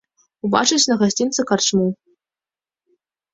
Убачыць на гасцінцы карчму.